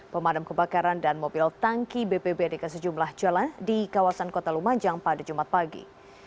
pemadam kebakaran dan mobil tangki bpbd ke sejumlah jalan di kawasan kota lumajang pada jumat pagi